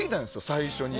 最初に。